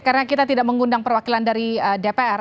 karena kita tidak mengundang perwakilan dari dpr